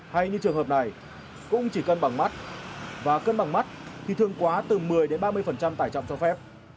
hay như trường hợp này cũng chỉ cân bằng mắt và cân bằng mắt thì thương quá từ một mươi đến ba mươi tài trọng cho phép